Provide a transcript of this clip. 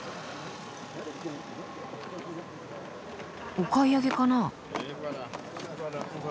お買い上げかな？